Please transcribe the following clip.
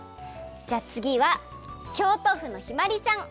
じゃあつぎは京都府のひまりちゃん。